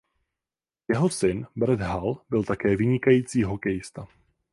Jeho syn Brett Hull byl také vynikající hokejista.